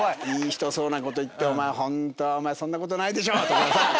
「いい人そうなこと言ってホントはお前そんなことないでしょ！」とかさ。